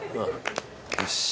よし。